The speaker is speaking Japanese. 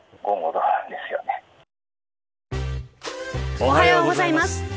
おはようございます。